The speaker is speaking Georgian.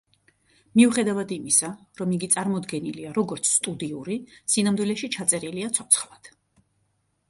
მიუხედავად იმისა, რომ იგი წარმოდგენილია, როგორც სტუდიური, სინამდვილეში ჩაწერილია ცოცხლად.